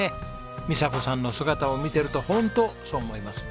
美佐子さんの姿を見てるとホントそう思います。